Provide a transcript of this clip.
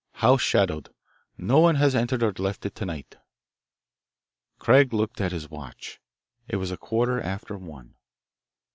House shadowed. No one has entered or left it to night." Craig looked at his watch. It was a quarter after one.